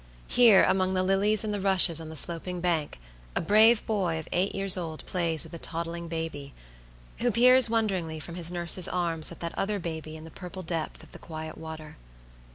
Here, among the lilies and the rushes on the sloping bank, a brave boy of eight years old plays with a toddling baby, who peers wonderingly from his nurse's arms at that other baby in the purple depth of the quiet water.